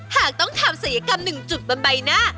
หากต้องทำศัยกรรมหนึ่งจุดบนใบหน้า